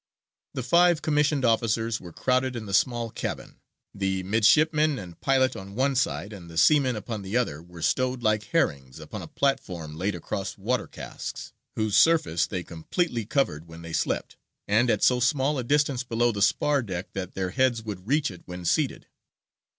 The five commissioned officers were crowded in the small cabin; the midshipmen and pilot on one side, and the seamen upon the other, were stowed like herrings upon "a platform laid across water casks, whose surface they completely covered when they slept, and at so small a distance below the spar deck that their heads would reach it when seated."